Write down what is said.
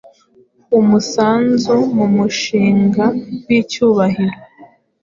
Umusanzu mu mushinga wicyubahiro